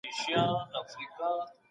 ستونزې د آرام او وزګار وخت لپاره پاتې کړئ.